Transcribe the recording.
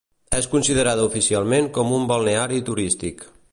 És considerada oficialment com un balneari turístic.